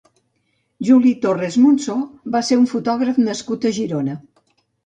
Juli Torres Monsó va ser un fotògraf nascut a Girona.